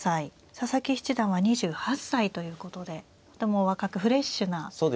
佐々木七段は２８歳ということでとても若くフレッシュな対決ですね。